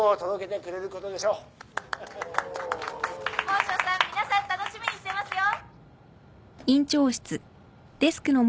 宝生さん皆さん楽しみにしてますよ。